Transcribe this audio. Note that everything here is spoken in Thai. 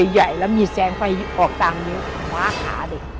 ใหญ่แล้วมีแสงไฟออกตามนิ้วคว้าขาเด็ก